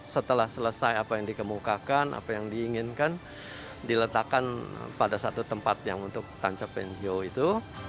setelah selesai apa yang dikemukakan apa yang diinginkan diletakkan pada satu tempat yang untuk tancap pensio itu